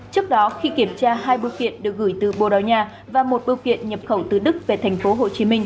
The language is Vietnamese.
trước đó khi kiểm tra hai biêu kiện được gửi từ bồ đào nha và một biêu kiện nhập khẩu từ đức về tp hcm